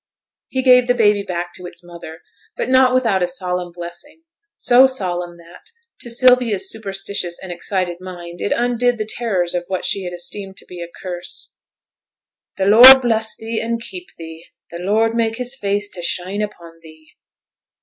He gave the baby back to its mother; but not without a solemn blessing, so solemn that, to Sylvia's superstitious and excited mind, it undid the terrors of what she had esteemed to be a curse. 'The Lord bless thee and keep thee! The Lord make His face to shine upon thee!'